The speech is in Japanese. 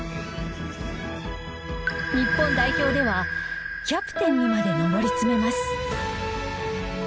日本代表ではキャプテンにまで上り詰めます。